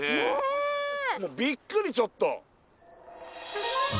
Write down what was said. びっくりちょっと。